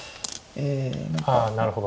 あなるほど。